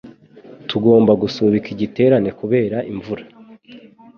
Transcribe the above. Tugomba gusubika igiterane kubera imvura.